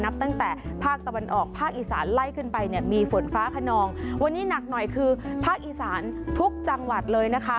นับตั้งแต่ภาคตะวันออกภาคอีสานไล่ขึ้นไปเนี่ยมีฝนฟ้าขนองวันนี้หนักหน่อยคือภาคอีสานทุกจังหวัดเลยนะคะ